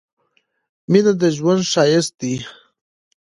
مينه د ژوند ښايست دي